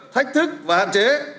thách thức và hạn chế